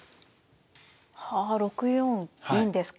はあ６四銀ですか。